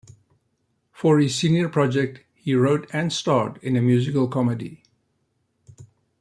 For his senior project, he wrote and starred in a musical comedy.